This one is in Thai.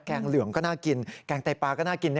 งเหลืองก็น่ากินแกงไตปลาก็น่ากิน